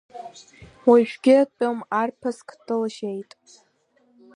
Уажәгьы тәым арԥыск дылжьеит!